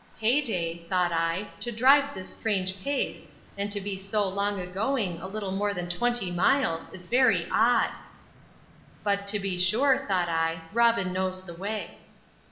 Hey day, thought I, to drive this strange pace, and to be so long a going a little more than twenty miles, is very odd! But to be sure, thought I, Robin knows the way.